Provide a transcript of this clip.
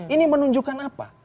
ini menunjukkan apa